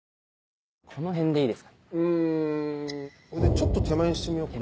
ちょっと手前にしてみよっか。